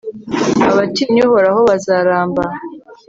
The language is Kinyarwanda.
abatinya uhoraho bazaramba